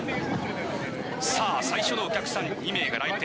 さあ、最初のお客さん２名が来店。